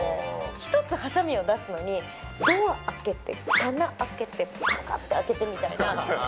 １つはさみを出すのに、ドア開けて、棚開けて、ぱかって開けてみたいな。